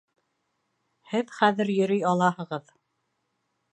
Һеҙ хәҙер йөрөй алаһығыҙ